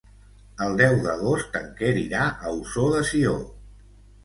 El deu d'agost en Quer irà a Ossó de Sió.